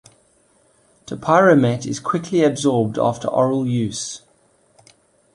Topiramate is quickly absorbed after oral use.